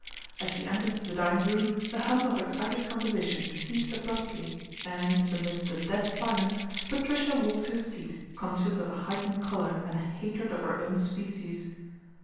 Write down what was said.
As she entered the dining rom the hum of excited conversation ceased abruptly and, amidst a dead silence, Patricia v ilked to her seat conscious of a heightened colour a d a hatred of her own species.